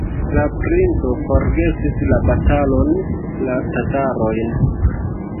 La princo forgesis la batalon, la tatarojn.